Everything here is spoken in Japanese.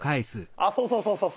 あそうそうそうそう。